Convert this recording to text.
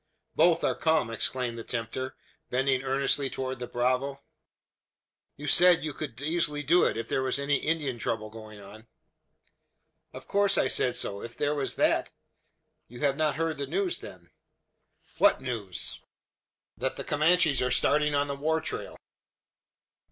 "Both are come!" exclaimed the tempter, bending earnestly towards the bravo. "You said you could easily do it, if there was any Indian trouble going on?" "Of course I said so. If there was that " "You have not heard the news, then?" "What news?" "That the Comanches are starting on the war trail."